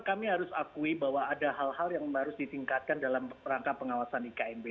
kami harus akui bahwa ada hal hal yang harus ditingkatkan dalam rangka pengawasan iknb